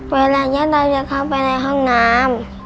เวลาย่าดอยจะเข้าไปในห้องน้ำ